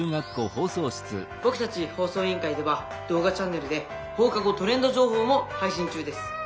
僕たち放送委員会では動画チャンネルで『放課後トレンド情報』も配信中です」。